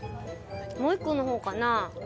もう一個の方かな？